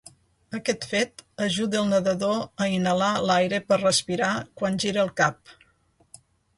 Aquest fet ajuda el nedador a inhalar l'aire per respirar quan gira el cap.